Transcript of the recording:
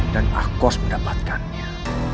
dan akos mendapatkannya